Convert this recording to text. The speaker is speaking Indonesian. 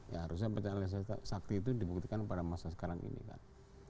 ya harusnya pecahan sakti itu dibuktikan pada masa sekarang ini kan